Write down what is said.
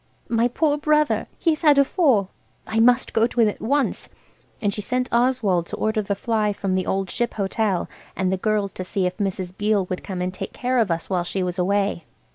My poor brother! He's had a fall. I must go to him at once." And she sent Oswald to order the fly from the Old Ship Hotel, and the girls to see if Mrs. Beale would come and take care of us while she was away.